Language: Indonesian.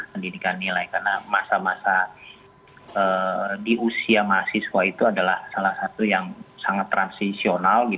pendidikan nilai karena masa masa di usia mahasiswa itu adalah salah satu yang sangat transisional